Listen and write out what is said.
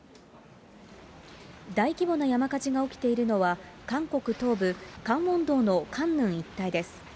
大規模な山火事が起きているのは、韓国東部カンウォン道のカンヌン一帯です。